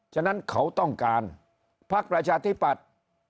ฉะนั้นเขาต้องการพักประชาธิปัตย์